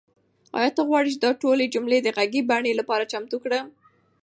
آیا ته غواړې چې دا ټولې جملې د غږیزې بڼې لپاره چمتو کړم؟